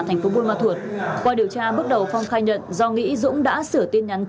thành phố buôn ma thuột qua điều tra bước đầu phong khai nhận do nghĩ dũng đã sửa tin nhắn